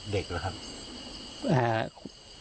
เด็กหรือครับ